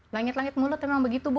langit langit mulut memang begitu bu